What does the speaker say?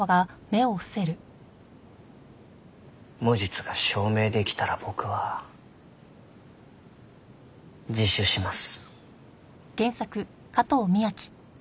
無実が証明できたら僕は自首します。